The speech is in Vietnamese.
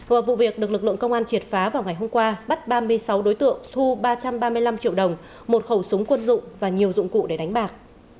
và vụ việc được lực lượng công an triệt phá vào ngày hôm qua bắt ba mươi sáu đối tượng thu ba trăm ba mươi năm triệu đồng một khẩu súng quân dụng và nhiều dụng cụ để đánh bạc